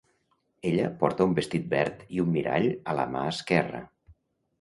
Ella porta un vestit verd i un mirall a la mà esquerra.